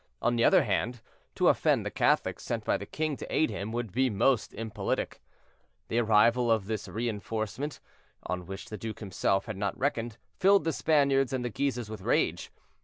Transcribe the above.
On the other hand, to offend the Catholics sent by the king to aid him would be most impolitic. The arrival of this re enforcement, on which the duke himself had not reckoned, filled the Spaniards and the Guises with rage.